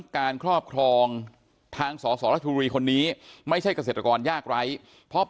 การครอบครองทางสสรทุรีคนนี้ไม่ใช่กระเศษรกรยากไร้เพราะ